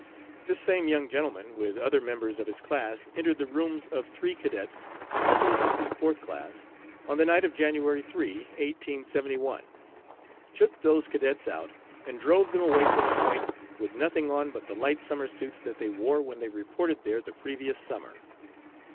This same young gentleman, with other members of his class, entered the rooms of three cadets, members of the fourth class, on the night of January 3, 1871, took those cadets out, and drove them away from the 'Point,' with nothing on but the light summer suits that they wore when they reported there the previous summer.